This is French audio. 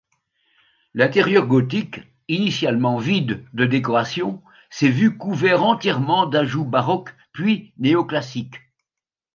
L'intérieur gothique, initialement vide de décorations, s'est vu couvert entièrement d'ajouts baroques puis néoclassiques.